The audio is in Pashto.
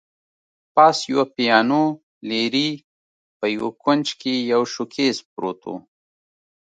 پاس یوه پیانو، لیري په یوه کونج کي یو شوکېز پروت وو.